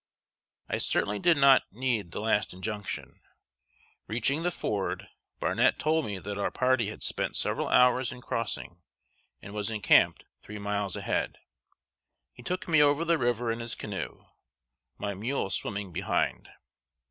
] I certainly did not need the last injunction. Reaching the ford, Barnet told me that our party had spent several hours in crossing, and was encamped three miles ahead. He took me over the river in his canoe, my mule swimming behind.